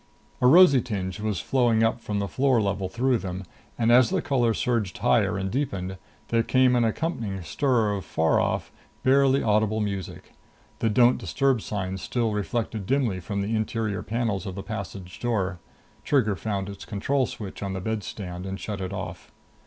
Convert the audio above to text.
A rosy tinge was flowing up from the floor level through them, and as the color surged higher and deepened, there came an accompanying stir of far off, barely audible music. The don't disturb sign still reflected dimly from the interior panels of the passage door. Trigger found its control switch on the bedstand and shut it off.